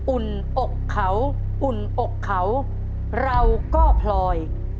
อุ่นอกเขาอุ่นอกเขาเราก็พลอย